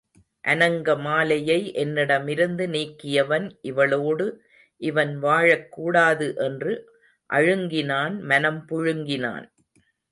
அநங்கமாலையை என்னிடமிருந்து நீக்கியவன் இவளோடு இவன் வாழக் கூடாது என்று அழுங்கினான் மனம் புழுங்கினான்.